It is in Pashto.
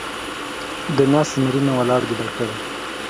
ـ د ناست زمري نه ، ولاړ ګيدړ ښه دی.